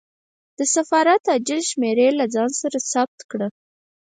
د سفارت عاجل شمېرې له ځان سره ثبت کړه.